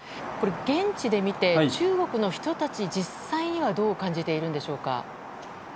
現地で見て、中国の人たち実際にはどう感じているんでしょうか。